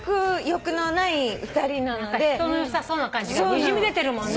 人の良さそうな感じがにじみ出てるもんね。